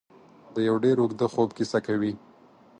د یو ډېر اوږده خوب کیسه کوي.